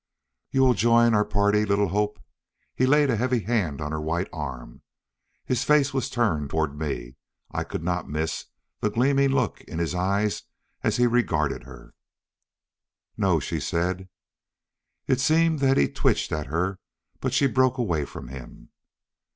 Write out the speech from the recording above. "You will join our party, little Hope?" He laid a heavy hand on her white arm. His face was turned toward me. I could not miss the gleaming look in his eyes as he regarded her. "No," she said. It seemed that he twitched at her, but she broke away from him.